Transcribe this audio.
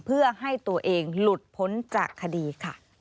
เพื่อให้ตัวเองหลุดพ้นจากคดีค่ะ